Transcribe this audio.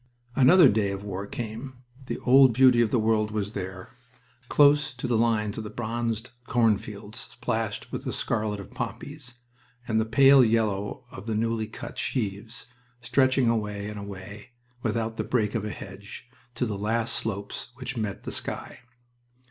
Another day of war came. The old beauty of the world was there, close to the lines of the bronzed cornfields splashed with the scarlet of poppies, and the pale yellow of the newly cut sheaves, stretching away and away, without the break of a hedge, to the last slopes which met the sky.